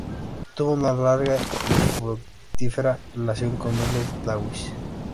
Tuvo una larga y fructífera relación con Miles Davis.